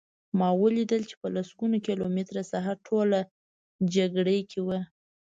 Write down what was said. ما ولیدل چې په سلګونه کیلومتره ساحه ټوله جګړې وه